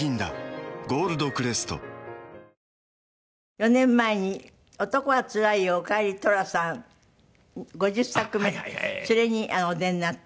４年前に『男はつらいよおかえり寅さん』５０作目それにお出になって。